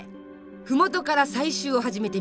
麓から採集を始めて３日目。